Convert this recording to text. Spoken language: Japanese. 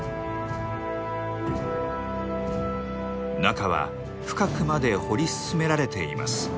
中は深くまで掘り進められています。